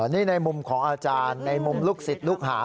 นี่ในมุมของอาจารย์ในมุมลูกศิษย์ลูกหา